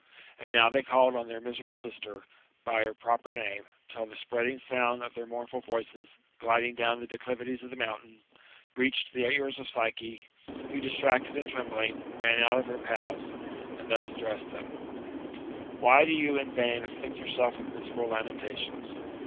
And now they called on their miseral^e sister by her proper name, till the spreading sound of their moumfdl voices, gliding down the declivities of the monntain, reached the ears of Psyche, who, distracted and trembling, ran out of her palace, and thus addressed them :*' Why do you in vain afflict yourself with miserable lamentations?